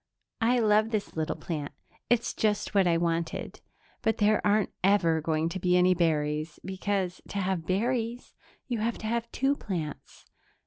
"I love this little plant; it's just what I wanted ... but there aren't ever going to be any berries, because, to have berries, you have to have two plants.